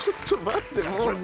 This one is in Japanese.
ちょっと待って。